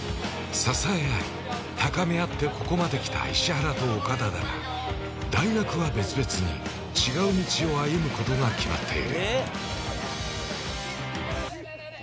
支え合い、高め合ってここまで来た石原と岡田だが、大学は別々に、違う道を歩むことが決まっている。